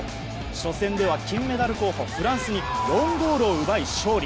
初戦では金メダル候補のフランスから４ゴールを奪い勝利。